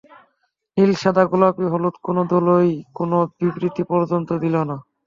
নীল সাদা গোলাপি হলুদ কোনো দলই কোনো বিবৃতি পর্যন্ত দিল না।